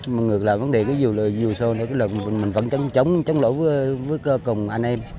mà ngược lại là vấn đề dù sâu này mình vẫn chống lỗi với cộng anh em